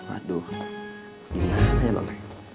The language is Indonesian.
aduh gimana ya bang